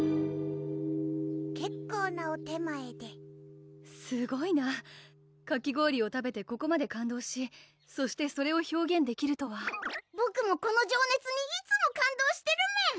結構なお点前ですごいなかき氷を食べてここまで感動しそしてそれを表現できるとはボクもこの情熱にいつも感動してるメン！